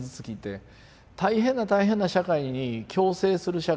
大変な大変な社会に共生する社会。